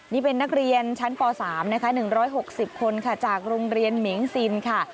นี่เป็นนักเรียนชั้นป๓นะคะ๑๖๐คนค่ะจากโรงเรียนมิงซินค่ะ